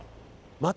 また？